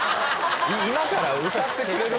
今から歌ってくれる。